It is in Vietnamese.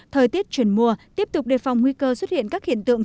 thời tiết chuyển mùa tiếp tục đề phòng nguy cơ xuất hiện các hiện tượng